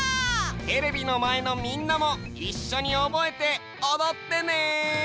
テレビのまえのみんなもいっしょにおぼえておどってね！